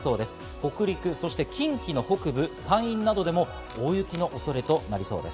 北陸、そして近畿の北部、山陰などでも大雪の恐れとなりそうです。